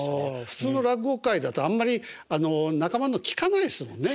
普通の落語会だとあんまり仲間の聴かないですもんね。